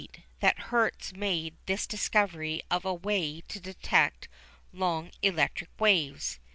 "] It was in 1888 that Hertz made this discovery of a way to detect long electric waves.